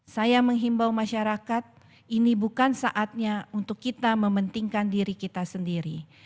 saya menghimbau masyarakat ini bukan saatnya untuk kita mementingkan diri kita sendiri